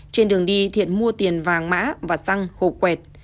trên đường đi thiện mua tiền vàng mã và xăng hồ quẹt